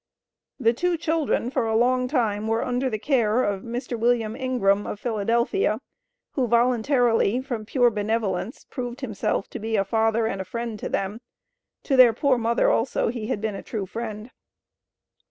The two children for a long time were under the care of Mr. Wm. Ingram of Philadelphia, who voluntarily, from pure benevolence, proved himself to be a father and a friend to them. To their poor mother also he had been a true friend.